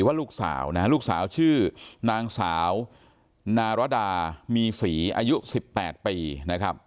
ว่าลูกสาวนะฮะลูกสาวชื่อนางสาวนารดามีศรีอายุ๑๘ปีนะครับ